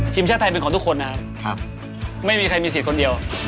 ทีมชาติไทยเป็นของทุกคนนะครับไม่มีใครมีสิทธิ์คนเดียว